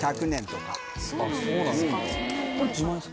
あっそうなんですか。